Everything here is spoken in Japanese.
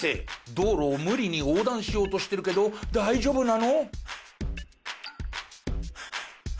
道路を無理に横断しようとしてるけど大丈夫なの？